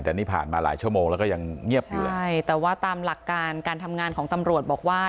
แต่นี่ผ่านมาหลายชั่วโมงแล้วก็ยังเงียบอยู่เลยใช่แต่ว่าตามหลักการการทำงานของตำรวจบอกว่า